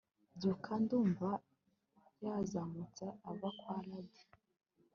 Byuka ndumva yazamutse ava kwa Ladd